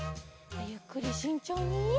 ゆっくりしんちょうに。